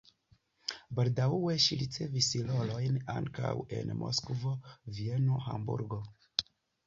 Baldaŭe ŝi ricevis rolojn ankaŭ en Moskvo, Vieno, Hamburgo.